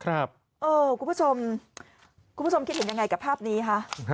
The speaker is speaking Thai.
คุณผู้ชมคุณผู้ชมคิดเห็นยังไงกับภาพนี้คะ